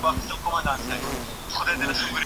د غذائې موادو په ورکولو کي ئې د هغوی درنښت وکړ.